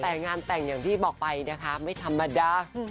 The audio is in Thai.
แต่งานแต่งอย่างที่บอกไปนะคะไม่ธรรมดา